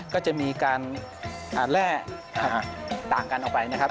ก็จะมีการแร่ต่างกันออกไปนะครับ